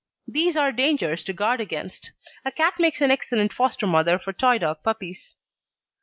These are dangers to guard against. A cat makes an excellent foster mother for Toy dog puppies.